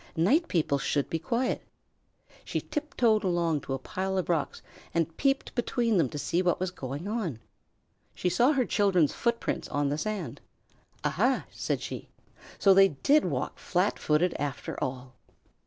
"Night people should be quiet." She tiptoed along to a pile of rocks and peeped between them to see what was going on. She saw her children's footprints on the sand. "Aha!" said she. "So they did walk flat footed after all."